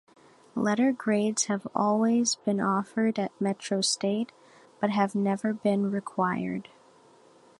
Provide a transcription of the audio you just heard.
Letter grades have always been offered at Metro State, but have never been required.